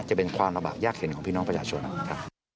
จะเป็นความลำบากยากเห็นของพี่น้องประชาชนนะครับ